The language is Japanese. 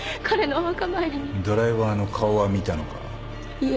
いえ。